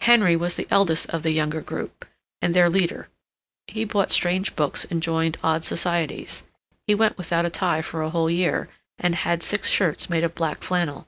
Henry was the eldest of the younger group, and their leader; he bought strange books and joined odd societies; he went without a tie for a whole year, and had six shirts made of black flannel.